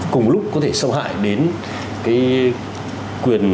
cùng lúc có thể sâu hại đến quyền